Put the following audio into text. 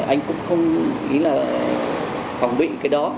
anh cũng không nghĩ là phòng bị cái đó